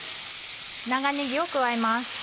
長ねぎを加えます。